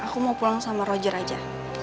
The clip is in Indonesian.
aku mau pulang sama roger aja